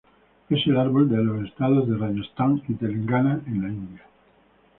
Es el árbol de los estados de Rayastán y Telangana en la India.